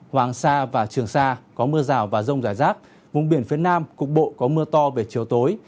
hoàng sa và trường sa có mưa rào và rông rải rác vùng biển phía nam cục bộ có mưa to về chiều tối